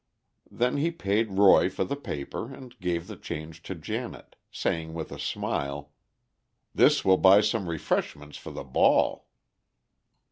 Then he paid Roy for the paper, and gave the change to Janet, saying with a smile, "This will buy some refreshments for the ball."